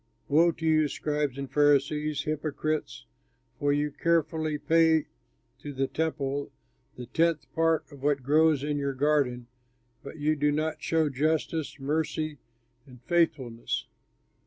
"Woe to you, scribes and Pharisees, hypocrites! For you carefully pay to the Temple the tenth part of what grows in your garden, but you do not show justice, mercy, and faithfulness.